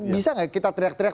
bisa nggak kita teriak teriak